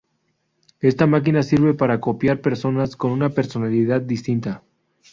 Esta máquina sirve para copiar personas con una personalidad distinta.